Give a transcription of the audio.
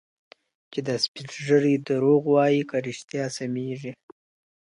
چي دا سپین ږیري دروغ وايي که ریشتیا سمېږي.